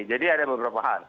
jadi ada beberapa hal